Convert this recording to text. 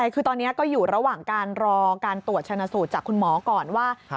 คือตอนนี้ก็อยู่ระหว่างการรอการตรวจชนะสูตรจากคุณหมอก่อนว่า